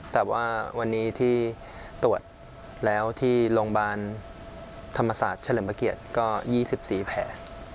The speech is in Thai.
แต่ว่าวันนี้ที่ตรวจแล้วที่โรงพยาบาลธรรมศาสตร์เฉลิมพระเกียรติก็๒๔แผล